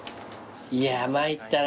いや参ったな。